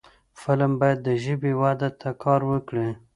فلم باید د ژبې وده ته کار وکړي